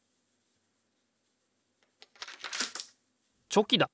チョキだ！